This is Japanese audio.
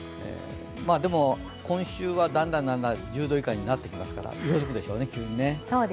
でも今週はだんだん１０度以下になってきますから、急に色づくんでしょうね。